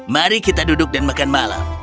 mari kita duduk dan makan malam